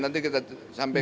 nanti kita sampai ke